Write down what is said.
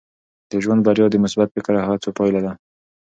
د ژوند بریا د مثبت فکر او هڅو پایله ده.